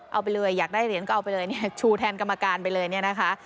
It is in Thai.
เอาไปเลยอยากได้เหรียญก็เอาไปเลยเนี่ยชูแทนกรรมการไปเลยเนี่ยนะคะ